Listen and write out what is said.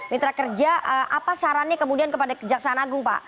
mitra kerja apa sarannya kemudian kepada kejaksaan agung pak